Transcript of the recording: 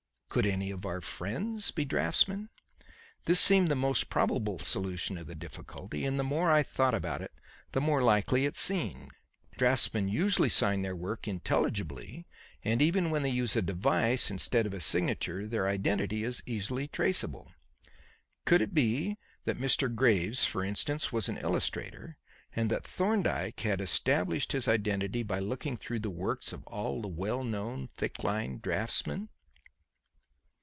Could any of our friends be draughtsmen? This seemed the most probable solution of the difficulty, and the more I thought about it the more likely it seemed. Draughtsmen usually sign their work intelligibly, and even when they use a device instead of a signature their identity is easily traceable. Could it be that Mr. Graves, for instance, was an illustrator, and that Thorndyke had established his identity by looking through the works of all the well known thick line draughtsmen?